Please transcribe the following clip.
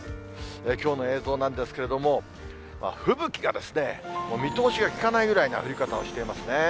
きょうの映像なんですけれども、吹雪が、見通しが利かないぐらいな降り方をしていますね。